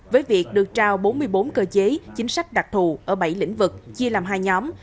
với việc được trao bốn mươi bốn cơ chế chính sách đặc thù ở bảy lĩnh vực chia làm hai nhóm